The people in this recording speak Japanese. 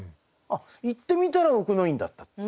あっ行ってみたら奥の院だったと。